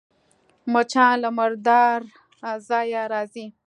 مچان له مرداره ځایه راځي